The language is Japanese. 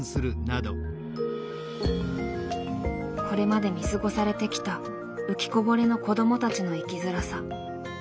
これまで見過ごされてきた“浮きこぼれ”の子どもたちの生きづらさ。